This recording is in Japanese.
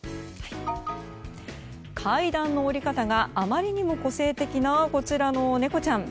階段の降り方があまりにも個性的なこちらの猫ちゃん。